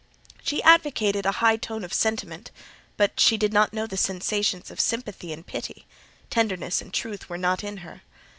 She advocated a high tone of sentiment; but she did not know the sensations of sympathy and pity; tenderness and truth were not in her.